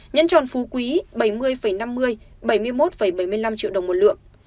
nhẫn tròn phú quý bảy mươi năm mươi bảy mươi một bảy mươi năm triệu đồng một lượng